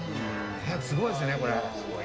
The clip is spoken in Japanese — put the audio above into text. すごいですよねこれ。